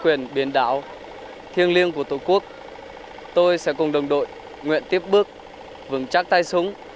quyền biển đảo thiêng liêng của tổ quốc tôi sẽ cùng đồng đội nguyện tiếp bước vững chắc tay súng